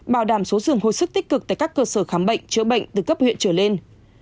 bảo đảm số giường hồi sức tích cực tại các cơ sở khám bệnh chữa bệnh từ cấp huyện trở lên